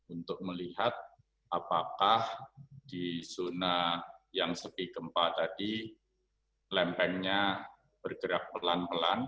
untuk melihat apakah di zona yang sepi gempa tadi lempengnya bergerak pelan pelan